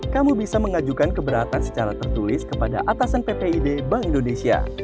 kamu bisa mengajukan keberatan secara tertulis kepada petugas informasi